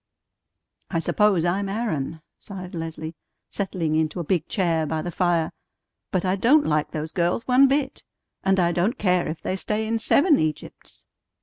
"I suppose I'm Aaron," sighed Leslie, settling into a big chair by the fire. "But I don't like those girls one bit! And I don't care if they stay in seven Egypts."